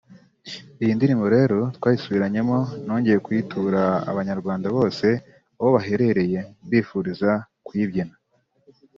Iyi ndirimbo rero twasubiranyemo nongeye kuyitura abanyarwanda bose aho baherereye mbifuriza kuyibyina